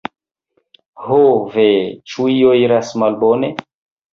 ho ve, ĉu io iras malbone?